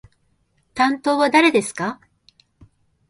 担当は誰ですか？